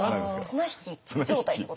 綱引き状態ってことですか？